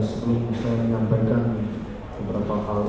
sebelum saya menyampaikan beberapa hal